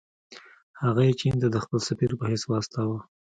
هغه یې چین ته د خپل سفیر په حیث واستاوه.